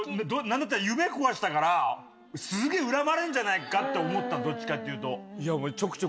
何だったら夢壊したからすげぇ恨まれんじゃないかって思ったのどっちかっていうと。